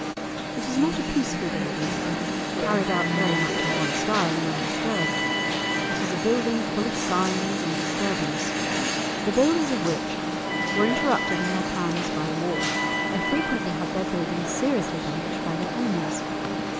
It is not a peaceful building carried out very much in one style and undisturbed. It is a building full of signs of disturbance, the builders of which were interrupted in their plans by war and frequently had their building seriously damaged by their enemies.